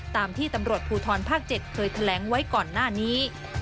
ตามที่ตำรวจภูทรภาค๗เคยแถลงไว้ก่อนหน้านี้